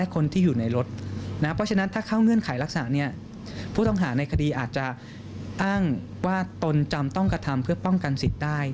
คนที่อยู่ในรถนะเพราะฉะนั้นถ้าเข้าเงื่อนไขลักษณะนี้ผู้ต้องหาในคดีอาจจะอ้างว่าตนจำต้องกระทำเพื่อป้องกันสิทธิ์ได้